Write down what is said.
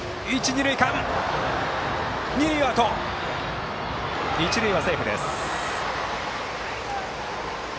二塁はアウト、一塁はセーフ。